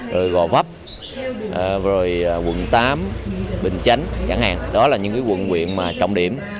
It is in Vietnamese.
rồi gò pháp rồi quận tám bình chánh chẳng hạn đó là những quận huyện mà trọng điểm